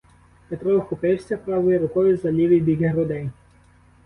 Петро вхопився правою рукою за лівий бік грудей.